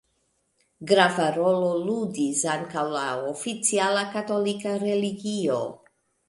Grava rolo ludis ankaŭ la oficiala katolika religio.